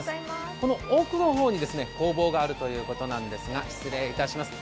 この奥の方に工房があるということなんですが、失礼いたします。